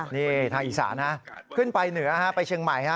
นี่ทางอีสานนะขึ้นไปเหนือไปเชียงใหม่ฮะ